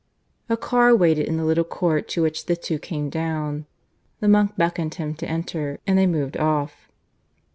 A car waited in the little court to which the two came down. The monk beckoned him to enter, and they moved off.